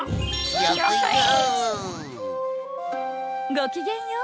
ごきげんよう！